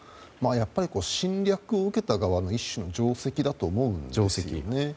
やっぱり侵略を受けた側の一種の定石だと思うんですね。